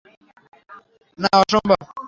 না, অসম্ভব।